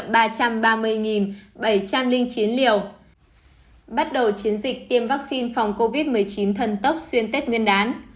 bắt đầu chiến dịch tiêm vaccine phòng covid một mươi chín thần tốc xuyên tết nguyên đán